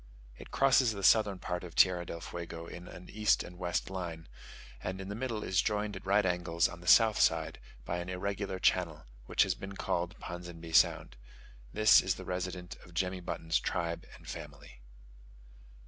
It crosses the southern part of Tierra del Fuego in an east and west line, and in the middle is joined at right angles on the south side by an irregular channel, which has been called Ponsonby Sound. This is the residence of Jemmy Button's tribe and family.